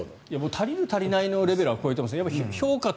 足りる足りないのレベルは超えてます。